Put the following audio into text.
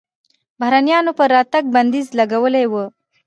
بهرنیانو پر راتګ بندیز لګولی و.